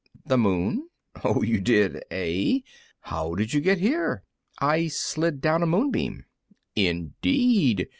"The moon." "Oh, you did, eh? How did you get here?" "I slid down a moonbeam." "Indeed!